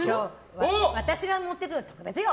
私が持ってくるの特別よ！